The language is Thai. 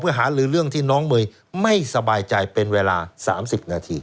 หาลือเรื่องที่น้องเมย์ไม่สบายใจเป็นเวลา๓๐นาที